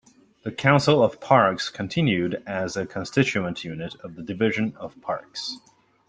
The Council of Parks continued as a constituent unit of the Division of Parks.